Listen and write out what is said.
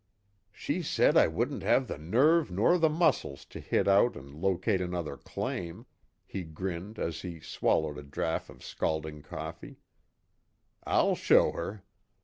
"She said I wouldn't have the nerve nor the muscles to hit out and locate another claim," he grinned as he swallowed a draught of scalding coffee. "I'll show her!"